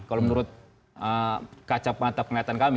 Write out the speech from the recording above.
kalau menurut kaca mata penglihatan kami